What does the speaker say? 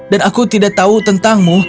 dan aku tidak tahu tentangmu